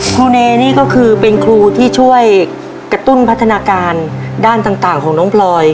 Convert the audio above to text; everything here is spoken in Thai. ครูเนนี่ก็คือเป็นครูที่ช่วยกระตุ้นพัฒนาการด้านต่างของน้องพลอย